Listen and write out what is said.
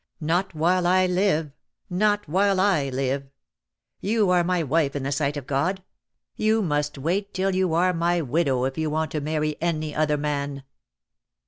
"Not while I live — not while I live. You are my wife in the sight of God. You must wait till you are my widow if you want to marry any other man."